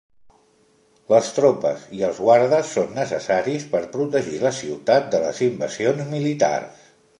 Les tropes i els guardes són necessaris per protegir la ciutat de les invasions militars.